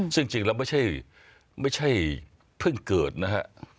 ซึ่งจริงแล้วไม่ใช่เพิ่งเกิดนะฮะ